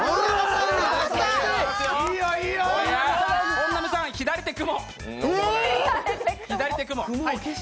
本並さん、左手雲。